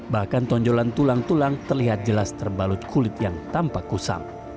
bahkan tonjolan tulang tulang terlihat jelas terbalut kulit yang tampak kusam